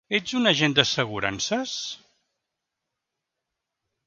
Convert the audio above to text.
Ets un agent d'assegurances?